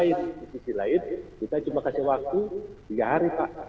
di sisi lain kita cuma kasih waktu tiga hari pak